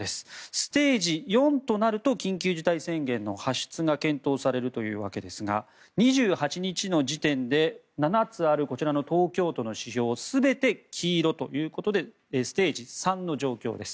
ステージ４となると緊急事態宣言の発出が検討されるというわけですが２８日の時点で７つあるこちらの東京都の指標全て黄色ということでステージ３の状況です。